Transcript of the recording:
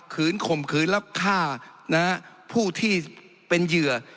ข่มขืนแล้วฆ่าผู้ที่เป็นเหยื่อ